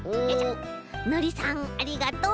のりさんありがとう。